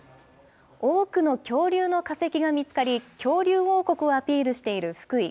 多くの恐竜の化石が見つかり、恐竜王国をアピールしている福井。